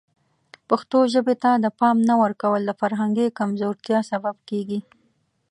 پښتو ژبې ته د پام نه ورکول د فرهنګي کمزورتیا سبب کیږي.